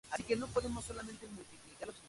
Incluye la bahía de Lübeck y la bahía de Wismar.